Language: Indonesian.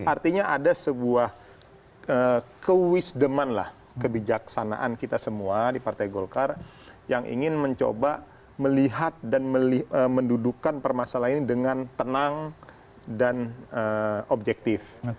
jadi ada sebuah kewisdeman lah kebijaksanaan kita semua di partai golkar yang ingin mencoba melihat dan mendudukan permasalahan ini dengan tenang dan objektif